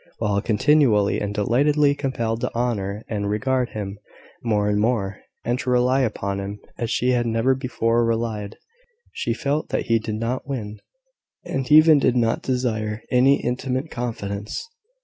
While continually and delightedly compelled to honour and regard him more and more, and to rely upon him as she had never before relied, she felt that he did not win, and even did not desire, any intimate confidence.